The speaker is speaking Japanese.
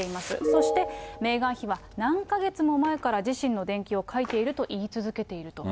そしてメーガン妃は、何か月も前から自信の伝記を書いていると言い続けていると。